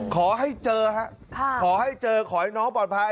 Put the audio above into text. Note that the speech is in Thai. ขอให้เจอฮะขอให้เจอขอให้น้องปลอดภัย